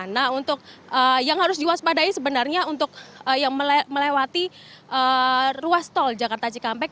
nah untuk yang harus diwaspadai sebenarnya untuk yang melewati ruas tol jakarta cikampek